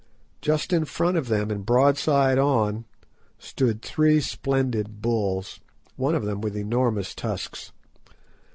Just in front of us, and broadside on, stood three splendid bulls, one of them with enormous tusks.